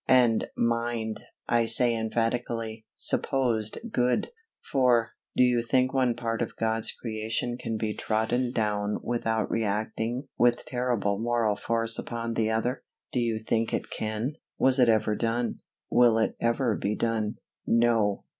and, mind, I say emphatically supposed good; for, do you think one part of God's creation can be trodden down without reacting with terrible moral force upon the other? Do you think it can? Was it ever done? Will it ever be done? _No!